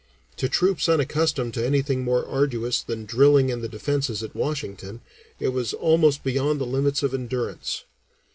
To troops unaccustomed to anything more arduous than drilling in the Defences at Washington, it was almost beyond the limits of endurance.